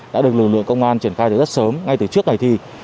đã được lực lượng công an triển khai từ rất sớm ngay từ trước ngày thi